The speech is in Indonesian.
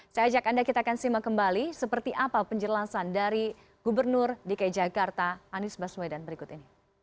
saya ajak anda kita akan simak kembali seperti apa penjelasan dari gubernur dki jakarta anies baswedan berikut ini